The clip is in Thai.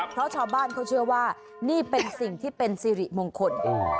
เพราะชาวบ้านเขาเชื่อว่านี่เป็นสิ่งที่เป็นสิริมงคล